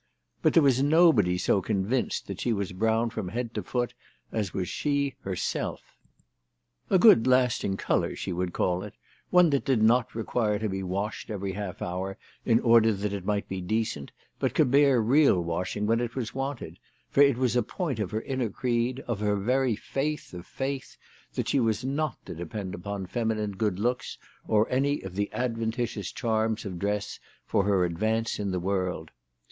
But there was nobody so convinced that she was brown from head to foot as was she herself. A good lasting colour she would call it, one that did not THE TELEGRAPH GIRL. 267 require to be washed every half hour in order that it might be decent, but could bear real washing when it was wanted ; for it was a point of her inner creed, of her very faith of faith, that she was not to depend upon feminine good looks, or any of the adventitious charms of dress for her advance in the world.